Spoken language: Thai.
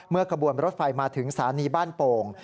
เมื่อกระบวนรถไฟมาถึงศานีบ้านโป่ง